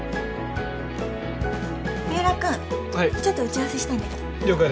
ちょっと打ち合わせしたいんだけど。